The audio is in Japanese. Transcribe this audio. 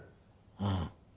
うん。